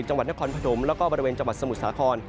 จังหวัดนครพนมแล้วก็บริเวณจังหวัดสมุทรสาคร